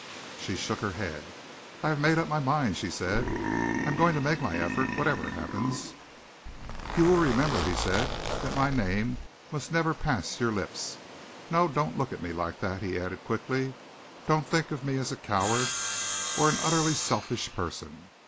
She shook her head. "I have made up my mind," she said. "I am going to make my effort, whatever happens." "You will remember," he said, "that my name must never pass your lips. No, don't look at me like that!" he added quickly. "Don't think of me as a coward, or an utterly selfish person!